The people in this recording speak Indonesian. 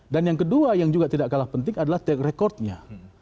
dan yang kedua yang juga tidak kalah penting adalah tek rekodnya